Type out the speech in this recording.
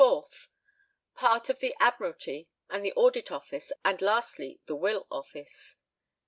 86), part of the Admiralty and the Audit Office, and lastly the Will Office.